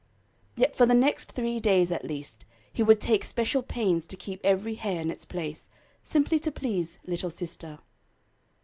Yet for the next three days at least, he would take special pains to keep every hair in its place, simply to please little sister.